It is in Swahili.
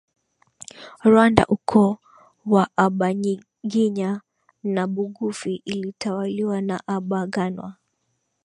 Rwanda ukoo wa abanyiginya na bugufi ilitawaliwa na abaganwa